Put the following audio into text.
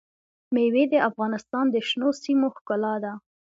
مېوې د افغانستان د شنو سیمو ښکلا ده.